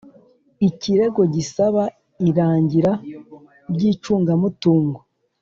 ikirego gisaba irangira ry’icungamutungo